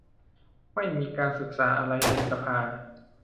ไม่มีการปรึกษาอะไรในสภา